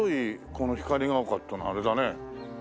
この光が丘ってのはあれだねえ。